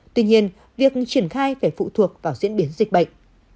tuy nhiên việc triển khai phải phụ thuộc vào diễn biến dịch bệnh